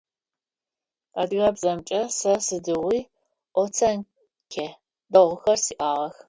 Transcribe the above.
Адыгэбзэмкӏэ сэ сыдигъуи оценкэ дэгъухэр сиӏагъэх.